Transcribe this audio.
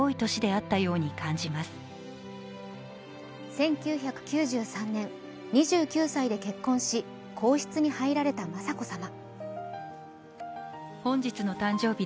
１９９３年、２９歳で結婚し皇室に入られた雅子さま。